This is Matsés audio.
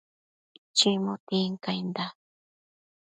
chimu tincainda